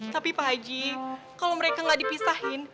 tapi pak haji kalo mereka gak dipisahin